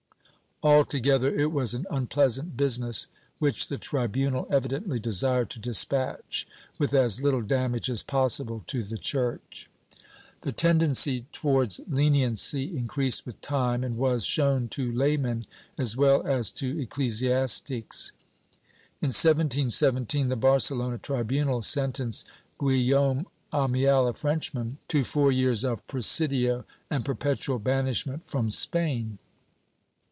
^ Altogether it was an unpleasant business, which the tribunal evidently desired to despatch with as little damage as possible to the Church. The tendency towards leniency increased with time, and was shown to laymen as well as to ecclesiastics. In 1717, the Barcelona tribunal sentenced Guillaume Amiel, a Frenchman, to four years of presidio and perpetual banishment from Spain.